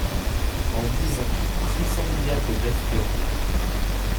En dix ans, six cents milliards de dettes supplémentaires.